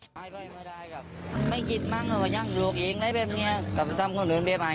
อยากให้มันตามไอ้ตายเลยอยากให้ยัดตามไอ้ตาย